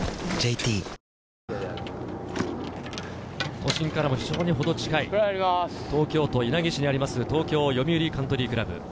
都心からも非常にほど近い、東京都稲城市にあります、東京よみうりカントリークラブ。